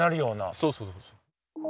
そうそうそうそう。